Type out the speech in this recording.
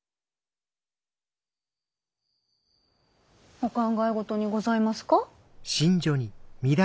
お考えごとにございますか？